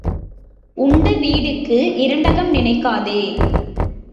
உண்ட வீட்டுக்கு இரண்டகம் நினைக்காதே.